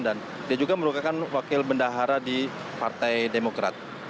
dan dia juga merupakan wakil bendahara di partai demokrat